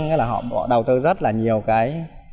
nghĩa là họ đầu tư rất là nhiều cái